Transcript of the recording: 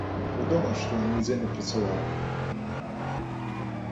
Вядома, што ён нідзе не працаваў.